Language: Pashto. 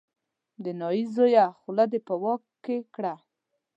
د نايي زویه خوله دې په واک کې کړه.